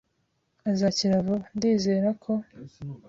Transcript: "Azakira vuba?" "Ndizera ko."